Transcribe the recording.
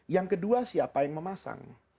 yang kedua siapa yang memasang